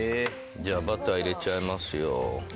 じゃあバター入れちゃいますよ。